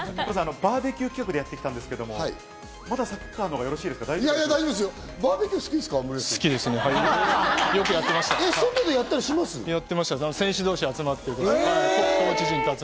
バーベキュー企画でやって行きたいんですけど、まだサッカーやりますか？